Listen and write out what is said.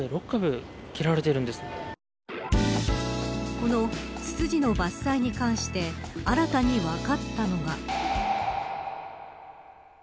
このツツジの伐採に関して新たに分かったのが。